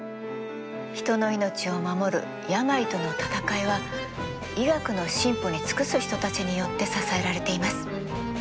人の命を守る病との闘いは医学の進歩に尽くす人たちによって支えられています。